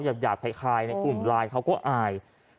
ยาวภัยคายในกลุ่มไลน์เค้าก็อาย